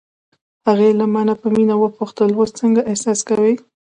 هغې له مانه په مینه وپوښتل: اوس څنګه احساس کوې؟